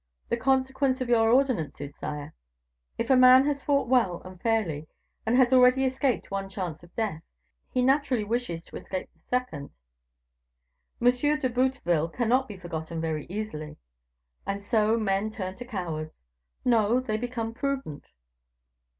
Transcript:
"The consequence of your ordinances, sire. If a man has fought well, and fairly, and has already escaped one chance of death, he naturally wishes to escape a second. M. de Bouteville cannot be forgotten very easily." "And so, men turn cowards." "No, they become prudent."